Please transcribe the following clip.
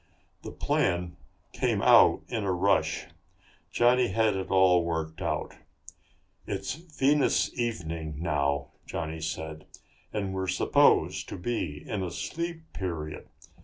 The plan came out in a rush. Johnny had it all worked out. "It's Venus evening now," Johnny said, "and we're supposed to be in a sleep period.